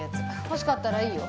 欲しかったらいいよ。